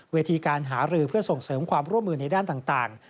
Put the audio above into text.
วิธีการหารือเพื่อส่งเสริมความร่วมมือในด้านต่าง